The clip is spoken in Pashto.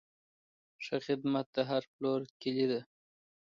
ښه خدمت د هر پلور کلي ده.